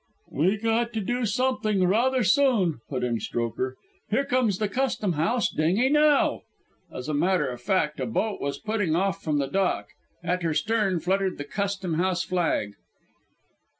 "We got to do something rather soon," put in Strokher. "Here comes the custom house dinghy now." As a matter of fact, a boat was putting off from the dock. At her stern fluttered the custom house flag.